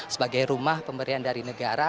sebagai rumah pemberian dari negara